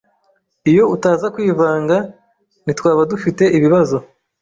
Iyo utaza kwivanga, ntitwaba dufite ibibazo.